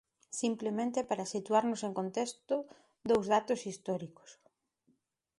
Simplemente para situarnos en contexto, dous datos históricos.